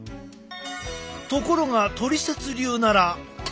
ところがトリセツ流なら。